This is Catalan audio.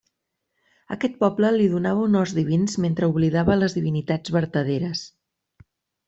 Aquest poble li donava honors divins mentre oblidava les divinitats vertaderes.